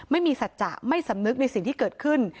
ไม่มีสัจจะไม่สำนึกในสิ่งที่เกิดขึ้น